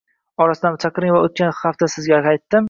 Orqasidan chaqiring va oʻtgan hafta sizga qaytdim.